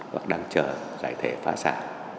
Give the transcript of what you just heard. hoặc đang chờ giải thẻ phá sản